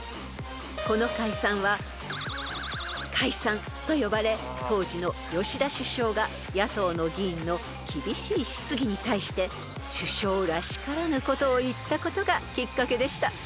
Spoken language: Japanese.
［この解散は「解散」と呼ばれ当時の吉田首相が野党の議員の厳しい質疑に対して首相らしからぬことを言ったことがきっかけでした］